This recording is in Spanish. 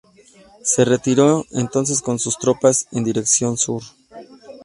Se retiró entonces con sus tropas en dirección sur.